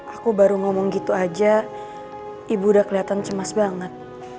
aku baru ngomong gitu aja ibu udah kelihatan cemas banget